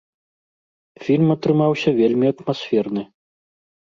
Фільм атрымаўся вельмі атмасферны.